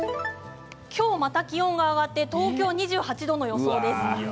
今日また気温が上がって東京２８度の予想です。